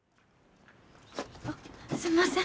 あっすんません。